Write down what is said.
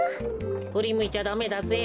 ふりむいちゃダメだぜ。